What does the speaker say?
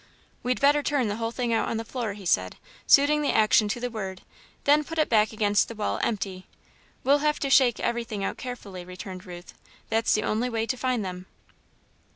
"We'd better turn the whole thing out on the floor," he said, suiting the action to the word, then put it back against the wall, empty. "We'll have to shake everything out, carefully," returned Ruth, "that's the only way to find them."